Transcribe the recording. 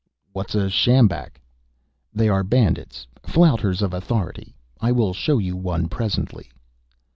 "What is a sjambak?" "They are bandits, flouters of authority. I will show you one presently."